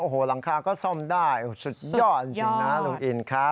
โอ้โหหลังคาก็ซ่อมได้สุดยอดจริงนะลุงอินครับ